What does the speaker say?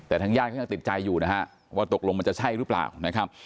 แต่ทางญาติเขายังติดใจอยู่นะฮะว่าตกลงมันจะใช่หรือเปล่านะครับ